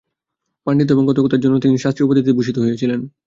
পাণ্ডিত্য এবং কথকতার জন্য তিনি শাস্ত্রী উপাধিতে ভূষিত হয়েছিলেন।